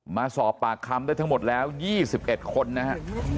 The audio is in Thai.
มาสอบปากคำได้ทั้งหมดแล้ว๒๑คนนะฮะ